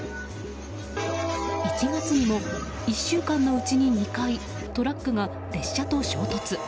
１月にも、１週間のうちに２回トラックが列車と衝突。